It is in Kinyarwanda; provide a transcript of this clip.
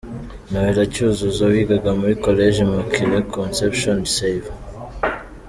Noélla Cyuzuzo wigaga muri Collège Immaculée Conception Save